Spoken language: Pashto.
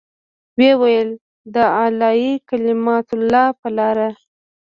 ويې ويل د اعلاى کلمة الله په لاره.